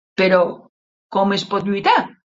Però, com es pot lluitar?